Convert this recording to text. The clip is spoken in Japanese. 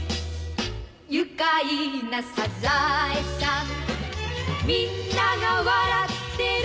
「愉快なサザエさん」「みんなが笑ってる」